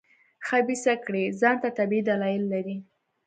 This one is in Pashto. خبیثه کړۍ ځان ته طبیعي دلایل لري.